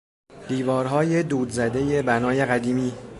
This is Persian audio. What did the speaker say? دیوارهای دود زدهی بنای قدیمی